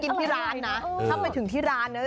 มันไม่ได้ไปกินที่ร้านนะ